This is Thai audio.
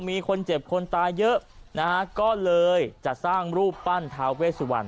มีคนเจ็บคนตายเยอะนะฮะก็เลยจะสร้างรูปปั้นทาเวสุวรรณ